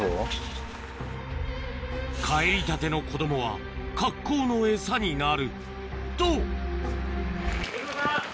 かえりたての子供は格好のエサになると！